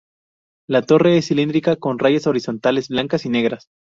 La torre es cilíndrica, con rayas horizontales blancas y negras.